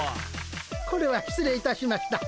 これは失礼いたしました。